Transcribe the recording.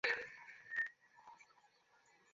আমার প্রতি তোমাদের বড়ো যত্ন, বড়ো ভালোবাসা।